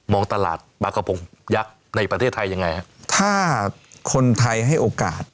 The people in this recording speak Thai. ตลาดปลากระพงยักษ์ในประเทศไทยยังไงฮะถ้าคนไทยให้โอกาส